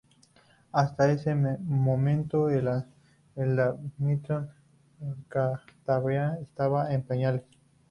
Hasta ese momento el bádminton en Cantabria estaba en pañales.